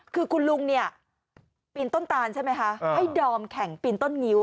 คุณลุงไม่ได้ต้นตานให้ดอมอีกคือต้นนิ้ว